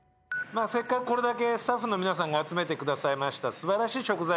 せっかくこれだけスタッフの皆さんが集めてくださいました素晴らしい食材ございますんで。